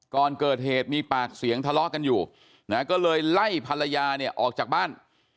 ก่อนเกิดเหตุมีปากเสียงทะเลาะกันอยู่นะก็เลยไล่ภรรยาเนี่ยออกจากบ้าน